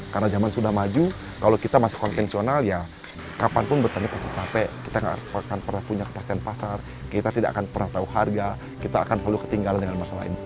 karena zaman sudah maju kalau kita masih konvensional ya kapanpun bertanian kita capek kita tidak akan pernah punya kepastian pasar kita tidak akan pernah tahu harga kita akan selalu ketinggalan dengan masalah ini